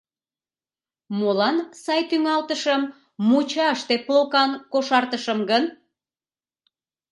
Молан сай тӱҥалтышым мучаште плокан кошартышым гын?..